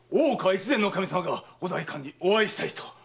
越前守様がお代官にお会いしたいと。